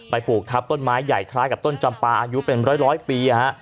ผูกทับต้นไม้ใหญ่คล้ายกับต้นจำปลาอายุเป็นร้อยปี